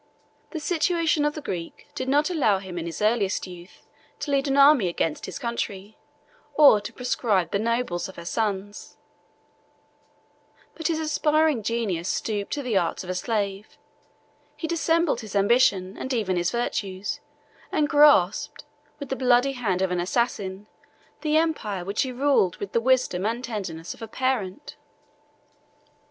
The situation of the Greek did not allow him in his earliest youth to lead an army against his country; or to proscribe the nobles of her sons; but his aspiring genius stooped to the arts of a slave; he dissembled his ambition and even his virtues, and grasped, with the bloody hand of an assassin, the empire which he ruled with the wisdom and tenderness of a parent.